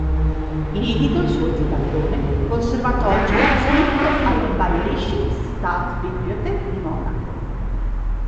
Inedito il suo "Zibaldone" conservato oggi manoscritto alla Bayerische Staatsbibliothek di Monaco.